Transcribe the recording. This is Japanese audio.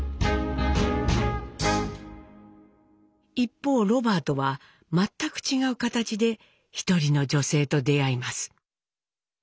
一方ロバートは全く違う形で一人の女性と出会います。